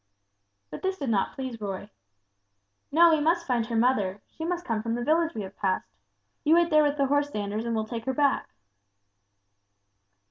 But this did not please Roy. "No, we must find her mother; she must come from the village we have passed. You wait there with the horse, Sanders, and we'll take her back."